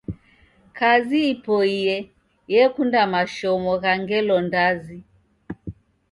Kazi ipoiye yekunda mashomo gha ngelo ndazi